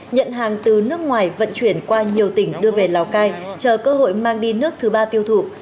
nhận hàng từ nước ngoài vận chuyển qua nhiều tỉnh đưa về lào cai chờ cơ hội mang đi nước thứ ba tiêu thụ